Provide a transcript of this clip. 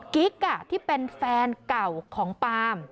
กิ๊กที่เป็นแฟนเก่าของปาล์ม